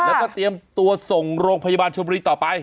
แล้วก็เตรียมตัวส่งโรงพยาบาลชมบุรีต่อไป